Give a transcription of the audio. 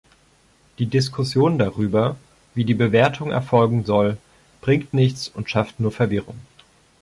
Die Diskussion darüber, wie die Bewertung erfolgen soll, bringt nichts und schafft nur Verwirrung.